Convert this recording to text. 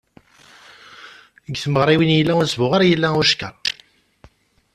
Deg tmeɣriwin, yella usbuɣer, yella ucekker.